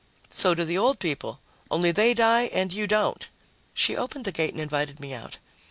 "So do the old people. Only they die and you don't." She opened the gate and invited me out.